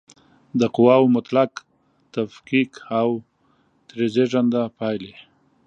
د قواوو مطلق تفکیک او ترې زېږنده پایلې